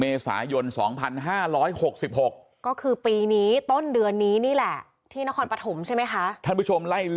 เมษายน๒๕๖๖ก็คือปีนี้ต้นเดือนนี้นี่แหละที่นครปฐมใช่ไหมคะ